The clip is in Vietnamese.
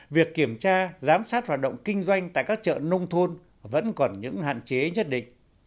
việc kiểm tra giám sát hoạt động kinh doanh tại các chợ nông thôn vẫn còn những hạn chế nhất định